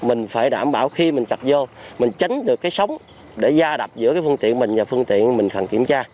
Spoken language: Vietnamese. mình phải đảm bảo khi mình cặp vô mình tránh được cái sóng để gia đập giữa cái phương tiện mình và phương tiện mình cần kiểm tra